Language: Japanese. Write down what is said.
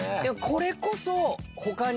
これこそ。